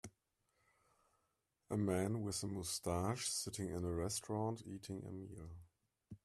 A man with a mustache sitting in a restaurant eating a meal